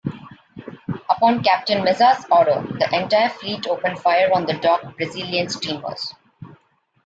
Upon Captain Meza's order, the entire fleet opened fire on the docked Brazilian steamers.